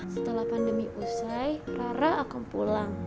setelah pandemi usai rara akan pulang